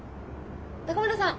高村さん